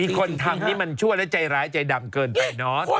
คนทำนี่มันชั่วและใจร้ายใจดำเกินไปเนอะ